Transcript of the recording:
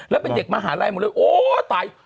แล้วเป็นเด็กมหาลัยหมดเลยโอ้ตาย